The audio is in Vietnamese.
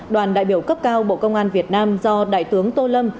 đoàn đại biểu cấp cao bộ công an việt nam do đại tướng tô lâm